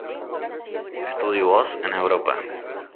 Estudió voz en Europa.